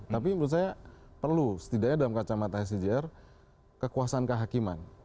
tapi menurut saya perlu setidaknya dalam kacamata scjr kekuasaan kehakiman